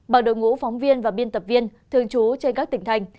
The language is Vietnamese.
bằng đội ngũ phóng viên và biên tập viên thường trú trên các tỉnh thành